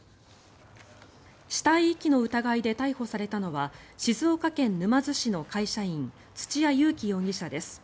死体遺棄の疑いで逮捕されたのは静岡県沼津市の会社員土屋勇貴容疑者です。